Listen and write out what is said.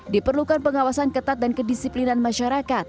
diperlukan pengawasan ketat dan kedisiplinan masyarakat